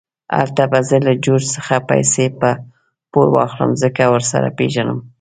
هلته به زه له جورج څخه پیسې په پور واخلم، ځکه ورسره پېژنم.